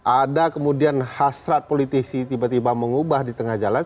ada kemudian hasrat politisi tiba tiba mengubah di tengah jalan